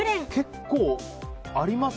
結構あります。